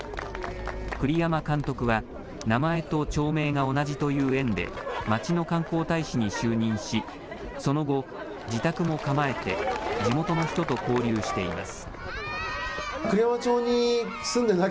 栗山監督は名前と町名が同じという縁で町の観光大使に就任しその後、自宅も構えて地元の人と交流しています。